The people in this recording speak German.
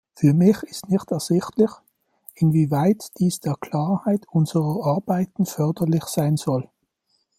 Für mich ist nicht ersichtlich, inwieweit dies der Klarheit unserer Arbeiten förderlich sein soll.